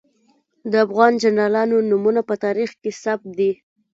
د افغان جنرالانو نومونه په تاریخ کې ثبت دي.